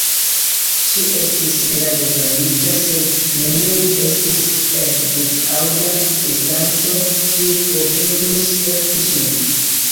Ŝi estis grave vundita, sed neniu estis en vid-aŭda distanco, kiu povintus helpi ŝin.